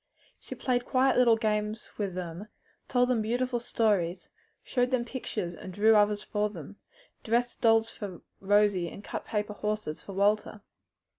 She played quiet little games with them, told them beautiful stories, showed them pictures and drew others for them, dressed dolls for Rosie and cut paper horses for Walter.